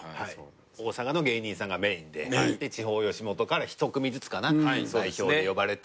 大阪の芸人さんがメインで地方吉本から１組ずつかな代表で呼ばれて。